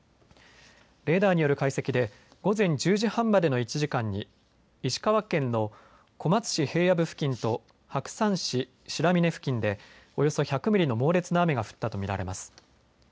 レーダーによる解析で午前１０時半までの１時間に石川県の小松市平野部付近と白山市白峰付近でおよそ１００ミリの猛烈な雨が降ったと見られます。